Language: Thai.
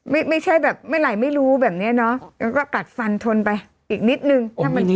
ไม่ใช่แบบเมื่อไหร่ไม่รู้แบบเนี้ยเนอะแล้วก็กัดฟันทนไปอีกนิดนึง